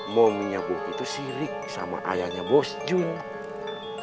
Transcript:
maminya bogi tuh sirik sama ayahnya bosun